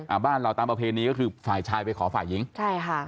บ้านเราตามประเพณีก็คือฝ่ายชายไปขอฝ่ายหญิงใช่ค่ะ